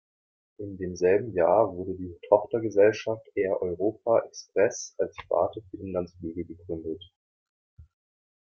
In demselben Jahr wurde die Tochtergesellschaft Air Europa Express als Sparte für Inlandsflüge gegründet.